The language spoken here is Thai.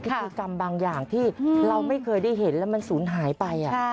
พิธีกรรมบางอย่างที่เราไม่เคยได้เห็นแล้วมันสูญหายไป